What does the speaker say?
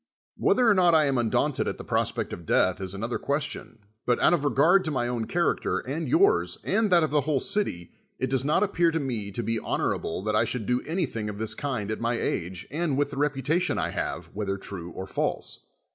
Whether or not T am un daunted at the prospect of death, is another question, but out of regard to my own character, and yours, and that of the whole city, it does not appear to me to be honorable that I should do onything of this kind at my age, and with the reputation I have, whetlier true or false.